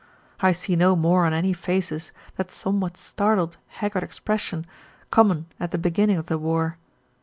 I see no more on any faces that somewhat startled, haggard expression, common at the beginning of the war.